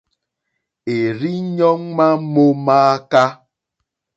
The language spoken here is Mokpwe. È rzí ɲɔ́ ŋmá mó mááká.